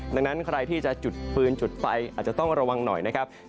ดังนั้นใครที่จะจุดฟืนจุดไฟอาจจะต้องระวังหน่อยนะครับ